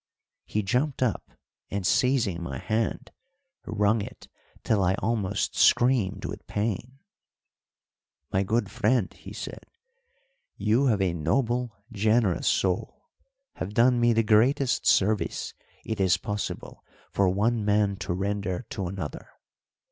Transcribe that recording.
He jumped up, and, seizing my hand, wrung it till I almost screamed with pain. "My good friend," he said, "you have a noble, generous soul, have done me the greatest service it is possible for one man to render to another.